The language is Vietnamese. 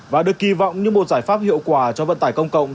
và được kỳ vọng như một giải pháp hiệu quả cho vận tải công cộng